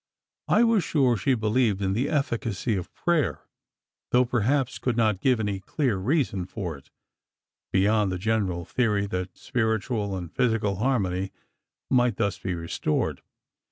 I was sure she believed in the efficacy of prayer, though perhaps could not give any clear reason for it, beyond the general theory that spiritual and physical harmony might thus be restored.